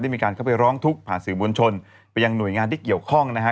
มีการเข้าไปร้องทุกข์ผ่านสื่อมวลชนไปยังหน่วยงานที่เกี่ยวข้องนะฮะ